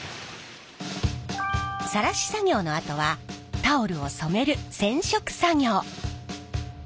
さらし作業のあとはタオルを染める染色作業。